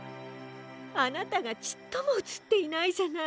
あなたがちっともうつっていないじゃない。